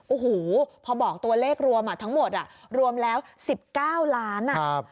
โอ้โหพอบอกตัวเลขรวมทั้งหมดรวมแล้ว๑๙ล้าน